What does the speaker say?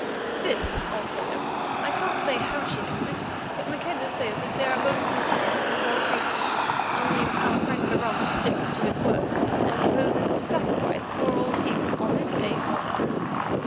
"This, old fellow. I can't say how she knows it, but Maqueda says that they are both in good health and well treated. Only our friend Barung sticks to his word and proposes to sacrifice poor old Higgs on this day fortnight.